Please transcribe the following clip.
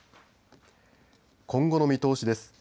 今後の見通しです。